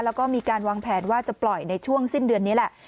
แล้วก็มีการวางแผนว่าจะปล่อยในช่วงสิ้นเดือนนี้แหละ